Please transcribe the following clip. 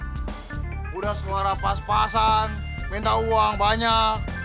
sudah suara pas pasan minta uang banyak